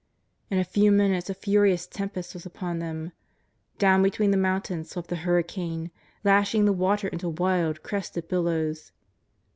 In a few minutes a furious tempest was upon them. Down between the mountains swept tlie hurricane, lash ing the water into wild, crested billows.